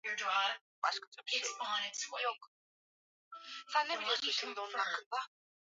Harris ameeleza kuwa Bunge la Liberia wanawake wana viti kumi na moja